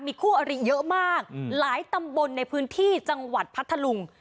คู่อริเยอะมากหลายตำบลในพื้นที่จังหวัดพัทธลุง